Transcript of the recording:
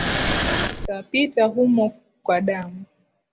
Tapita humo kwa damu.